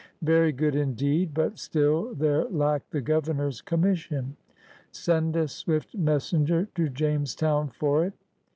Very good indeed; but still there lacked the Governor's conmiission. "Send a swift messenger to James town for it!"